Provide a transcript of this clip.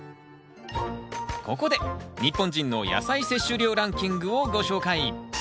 ここで日本人の野菜摂取量ランキングをご紹介。